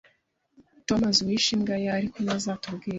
Tom azi uwishe imbwa ye, ariko ntazatubwira